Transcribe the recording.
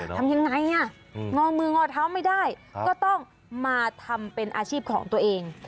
ทำยังไงอ่ะงอมืองอเท้าไม่ได้ก็ต้องมาทำเป็นอาชีพของตัวเอง